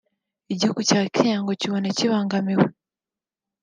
igihugu cya Kenya cyo ngo kikaba kibona kibangamiwe